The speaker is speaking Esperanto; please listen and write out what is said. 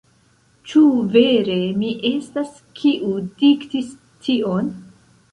Ĉu vere mi estas, kiu diktis tion?